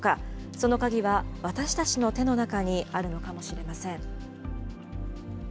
その鍵は私たちの手の中にあるのかもしれません。